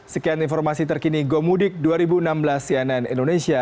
sekian informasi terkini gomudik dua ribu enam belas cnn indonesia